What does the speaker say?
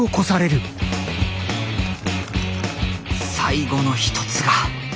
最後の一つが。